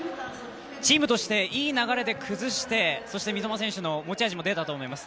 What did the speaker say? チームとしていい流れで崩して三笘選手の持ち味も出たと思います。